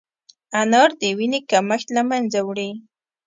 انار د وینې کمښت له منځه وړي.